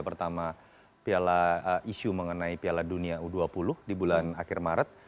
pertama isu mengenai piala dunia u dua puluh di bulan akhir maret